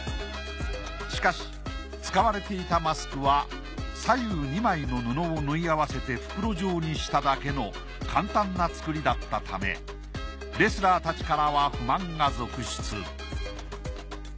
しかし使われていたマスクは左右２枚の布を縫い合わせて袋状にしただけの簡単な作りだったためレスラーたちからは不満が続出